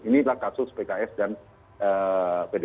inilah kasus pks dan pdip